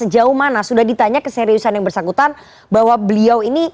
sejauh mana sudah ditanya keseriusan yang bersangkutan bahwa beliau ini